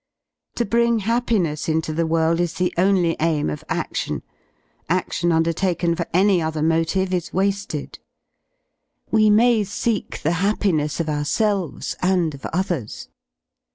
To bring happiness into the world is the ^^ U only aim of aftion; aftion undertaken for any other motive JyV' is wafted. "We may seek the happiness of ourselves and of others.